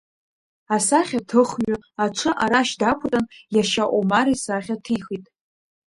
Асахьаҭыхҩы аҽы арашь дақәыртәан иашьа Омар исахьа ҭихит.